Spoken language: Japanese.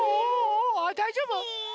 あだいじょうぶ？